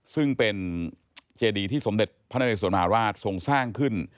ซึ่งเป็นเจดีที่สมเด็จพระนเรสวนมหาราชทรงสร้างขึ้น